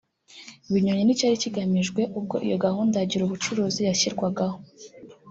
binyuranye n’icyari kigamijwe ubwo iyo gahunda ya Girubucuruzi yashyirwagaho